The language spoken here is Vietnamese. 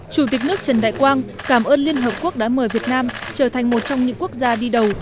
chủ tịch nước trần đại quang cảm ơn liên hợp quốc đã mời việt nam trở thành một trong những quốc gia đi đầu